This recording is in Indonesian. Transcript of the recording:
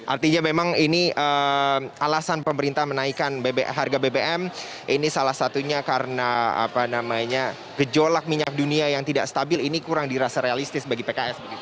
artinya memang ini alasan pemerintah menaikkan harga bbm ini salah satunya karena gejolak minyak dunia yang tidak stabil ini kurang dirasa realistis bagi pks